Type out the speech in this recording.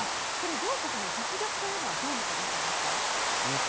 両国の実力というのはどう見てらっしゃいますか？